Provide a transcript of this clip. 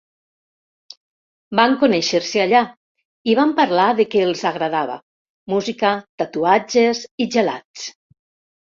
Van conèixer-se allà i van parlar del que els agradava: música, tatuatges i gelats.